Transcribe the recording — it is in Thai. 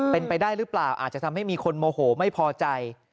เป็นไปได้หรือเปล่าอาจจะทำให้มีคนโมโหไม่พอใจ